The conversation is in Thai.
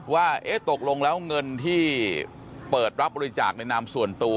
ว่าตกลงแล้วเงินที่เปิดรับบริจาคในนามส่วนตัว